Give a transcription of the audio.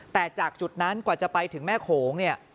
แต่จากจุดนั้นกว่าจะไปถึงแม่โขงเนี่ย